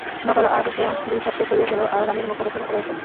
নকল আর্চবিশপকে সরিয়ে ফেল আর রানির মুখদর্শন করে এসো।